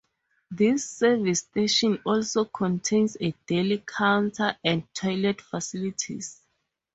This service station also contains a Deli counter and toilet facilities.